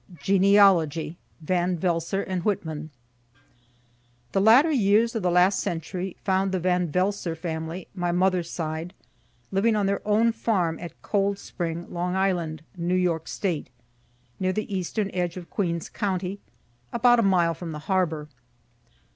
GENEALOGY VAN VELSOR AND WHITMAN The later years of the last century found the Van Velsor family, my mother's side, living on their own farm at Cold Spring, Long Island, New York State, near the eastern edge of Queen's county, about a mile from the harbor.